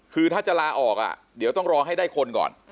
คือถ้าจะลาออกเดี๋ยวต้องรอให้ได้คนก่อน